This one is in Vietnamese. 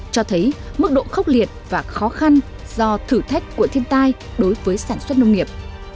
cho thấy mức độ khốc liệt và khó khăn do thử thách của thiên tai đối với sản xuất nông nghiệp